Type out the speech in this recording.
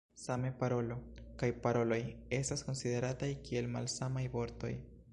Same "parolo" kaj "paroloj" estas konsiderataj kiel malsamaj vortoj.